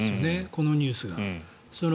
このニュースを。